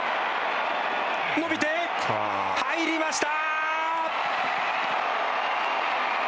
伸びて、入りました。